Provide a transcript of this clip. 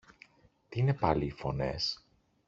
Τι είναι πάλι οι φωνές;